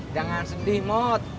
jangan sedih mot